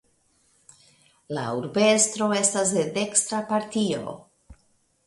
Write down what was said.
La urbestro estas de dekstra partio.